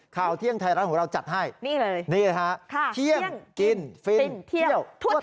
ข่าวเที่ยงไทยร้านของเราจัดให้นี่เลย